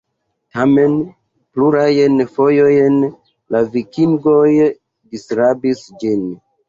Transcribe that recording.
Tamen plurajn fojojn la vikingoj disrabis ĝin.